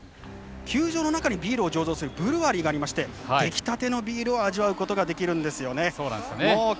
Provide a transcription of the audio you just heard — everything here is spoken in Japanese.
球場の中にビールを醸造する場所がありますので出来たてのビールを味わうことができるんですよね。